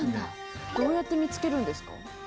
どうやって見つけるんですか？